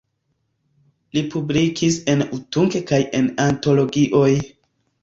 Li publikis en Utunk kaj en antologioj.